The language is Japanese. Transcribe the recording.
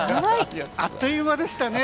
あっという間でしたね。